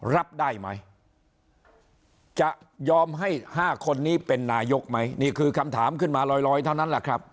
รับได้ไหมจะยอมให้๕คนนี้เป็นนายกไหมนี่คือคำถามขึ้นมาลอยเท่านั้นแหละครับ